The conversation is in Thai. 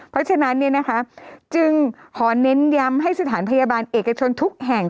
เพราะฉะนั้นจึงขอเน้นย้ำให้สถานพยาบาลเอกชนทุกแห่ง